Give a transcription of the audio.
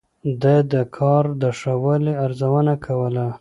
ده د کار د ښه والي ارزونه کوله.